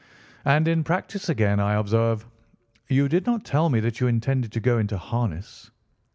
And in practice again, I observe. You did not tell me that you intended to go into harness."